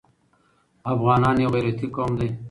افغانان يو غيرتي قوم دی.